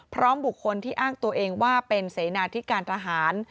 พร้อมบุคคลที่อ้างตัวเองว่าเป็นเสนาทิกาลอาหาร